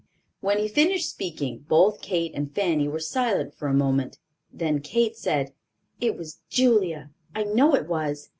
When he finished speaking, both Kate and Fanny were silent for a moment; then Kate said: "It was Julia, I know it was.